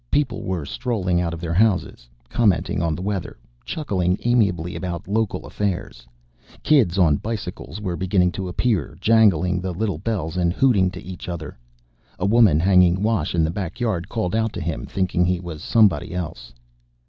People were strolling out of their houses, commenting on the weather, chuckling amiably about local affairs. Kids on bicycles were beginning to appear, jangling the little bells and hooting to each other. A woman, hanging wash in the back yard, called out to him, thinking he was somebody else.